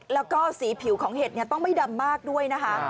แล้วก็สีผิวของเห็ดต้องไม่ดำมากด้วยนะคะ